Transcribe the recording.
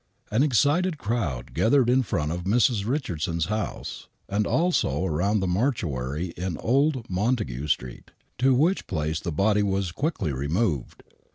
An excited crowd gathered in front of Mrs. Richard son's house, and also around the mortuary in Old Montague Street, to which place the body was quickly removed.